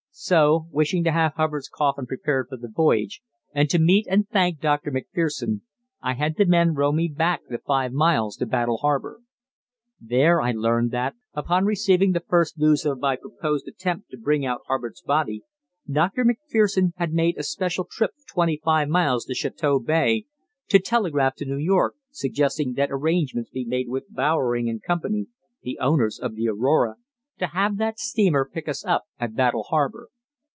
So, wishing to have Hubbard's coffin prepared for the voyage, and to meet and thank Dr. Macpherson, I had the men row me back the five miles to Battle Harbour. There I learned that, upon receiving the first news of my proposed attempt to bring out Hubbard's body, Dr. Macpherson had made a special trip of twenty five miles to Chateau Bay, to telegraph to New York suggesting that arrangements be made with Bowering & Co., the owners of the Aurora, to have that steamer pick us up at Battle Harbour.